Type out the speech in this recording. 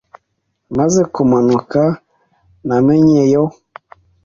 Maze kumanuka namenyeyo